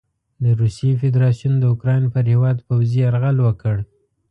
د روسیې فدراسیون د اوکراین پر هیواد پوځي یرغل وکړ.